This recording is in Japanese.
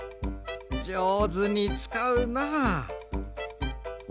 じょうずにつかうな。